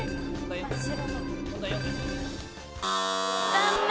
残念。